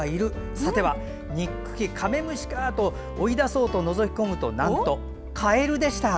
さては、にっくきカメムシかと追い出そうとのぞき込むとなんとカエルでした。